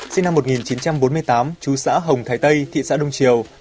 sinh năm một nghìn chín trăm bốn mươi tám chú xã hồng thái tây thị xã đông triều